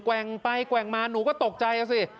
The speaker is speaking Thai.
แว่งไปแกว่งมาหนูก็ตกใจอ่ะสิ